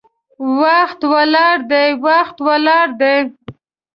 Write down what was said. وخت ولاړ دی، وخت ولاړ دی